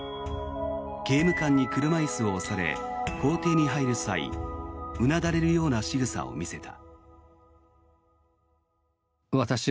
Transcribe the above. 刑務官に車椅子を押され法廷に入る際うな垂れるようなしぐさを見せた。